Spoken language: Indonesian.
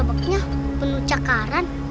roboknya penuh cakaran